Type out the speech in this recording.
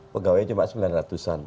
pegawai cuma sembilan ratus an